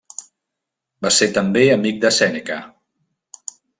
Va ser també amic de Sèneca.